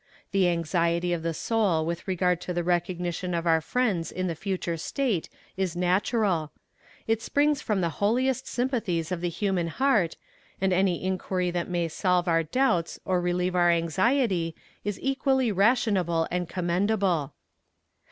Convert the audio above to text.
The anxiety of the soul with regard to the recognition of our friends in the future state is natural. It springs from the holiest sympathies of the human heart, and any inquiry that may solve our doubts or relieve our anxiety is equally rational and commendable.